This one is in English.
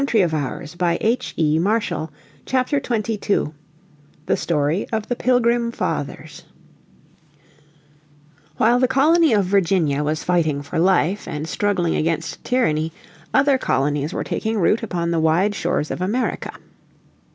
PART III STORIES OF NEW ENGLAND __________ Chapter 22 The Story of the Pilgrim Fathers While the Colony of Virginia was fighting for life, and struggling against tyranny, other colonies were taking root upon the wide shores of America.